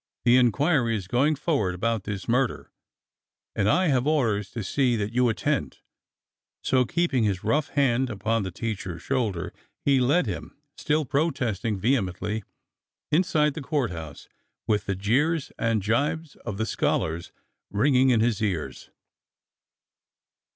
The in quiry is going forward about this murder, and I have orders to see that you attend." So keeping his rough hand upon the teacher's shoulder he led him, still pro testing vehemently, inside the Court House, with the jeers and jibes of the scholars ringing in his ears.